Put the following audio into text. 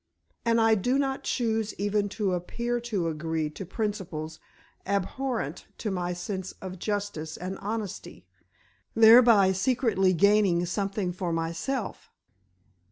And I do not choose even to appear to agree to principles abhorrent to my sense of justice and honesty, thereby secretly gaining something for myself."